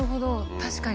確かに。